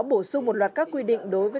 bổ sung một loạt các quy định đối với